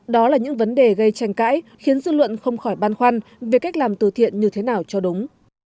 đó là những vấn đề gây tranh cãi khiến dư luận không khỏi băn khoăn về cách làm từ thiện như thế nào cho đúng